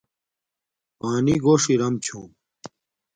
پانی گوݽ ارام چھوم